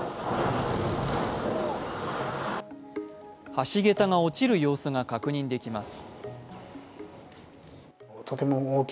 橋桁が落ちる様子が確認できます。